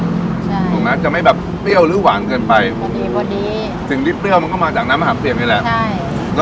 ถูกไหมจะไม่แบบเปรี้ยวหรือหวานเกินไปผมดีกว่านี้สิ่งที่เปรี้ยวมันก็มาจากน้ำมะขามเปียมนี่แหละใช่